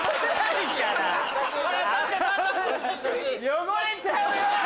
汚れちゃうよ！